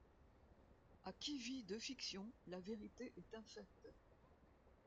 À qui vit de fiction, la vérité est infecte.